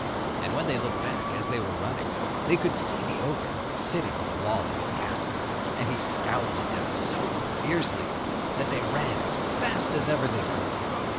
And when they looked back as they were running, they could see the ogre sitting on the wall of his castle. And he scowled at them so fiercely that they ran as fast as ever they could.